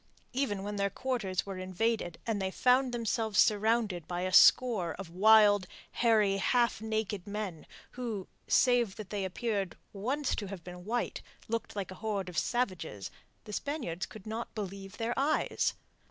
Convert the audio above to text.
Even when their quarters were invaded and they found themselves surrounded by a score of wild, hairy, half naked men, who save that they appeared once to have been white looked like a horde of savages, the Spaniards could not believe their eyes.